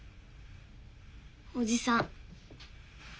おじさん。